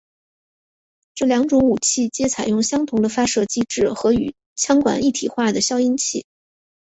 这两种武器皆采用相同的发射机制和与枪管一体化的消音器。